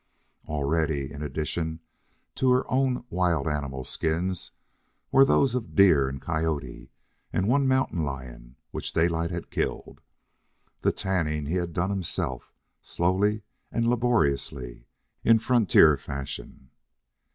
Already, in addition to her own wild animal skins, were those of deer and coyote and one mountain lion which Daylight had killed. The tanning he had done himself, slowly and laboriously, in frontier fashion.